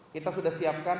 kita sudah siapkan